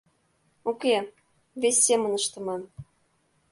Уке, вес семын ыштыман...